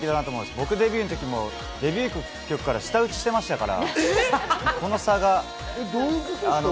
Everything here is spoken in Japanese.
僕、デビューの時もデビュー曲から舌打ちしてましたから。